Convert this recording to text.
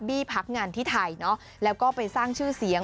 พักงานที่ไทยเนอะแล้วก็ไปสร้างชื่อเสียง